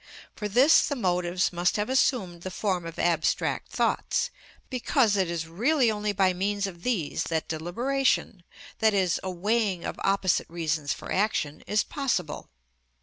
For this the motives must have assumed the form of abstract thoughts, because it is really only by means of these that deliberation, i.e., a weighing of opposite reasons for action, is possible.